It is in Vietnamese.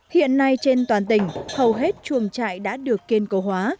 hiện nay trên toàn tỉnh hầu hết chuồng trại đã được kiên cố hóa